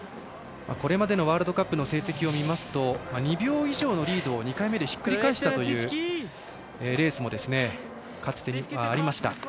これまでのワールドカップの成績を見ますと２秒以上のリードを２回目でひっくり返したというレースもかつてありました。